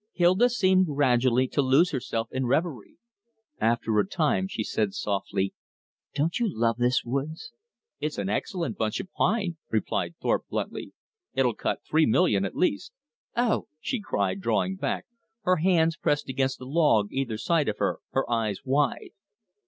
Hilda seemed gradually to lose herself in reverie. After a time she said softly. "Don't you love this woods?" "It's an excellent bunch of pine," replied Thorpe bluntly. "It'll cut three million at least." "Oh!" she cried drawing back, her hands pressed against the log either side of her, her eyes wide.